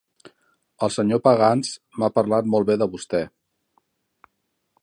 El senyor Pagans m'ha parlat molt bé de vostè.